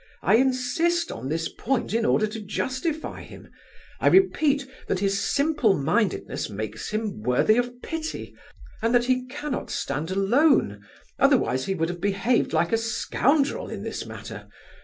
I insist on this point in order to justify him; I repeat that his simple mindedness makes him worthy of pity, and that he cannot stand alone; otherwise he would have behaved like a scoundrel in this matter.